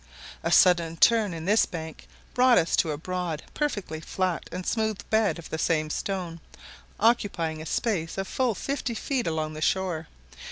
A sudden turn in this bank brought us to a broad, perfectly flat and smooth bed of the same stone, occupying a space of full fifty feet along the shore.